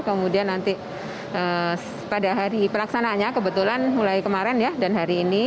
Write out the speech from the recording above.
kemudian nanti pada hari pelaksanaannya kebetulan mulai kemarin ya dan hari ini